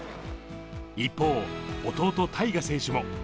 一方、弟、大翔選手も。